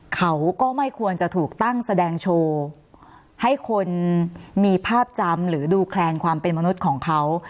เขาก็ไม่ควรจะถูกตั้งแสดงโชว์ให้คนมีภาพจำหรือดูแคลนความเป็นมนุษย์ของเขา